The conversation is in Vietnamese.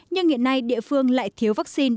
nhưng hiện nay địa phương lại thiếu vaccine